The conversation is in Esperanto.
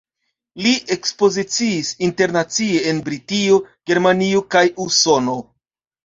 Li ekspoziciis internacie, en Britio, Germanio kaj Usono.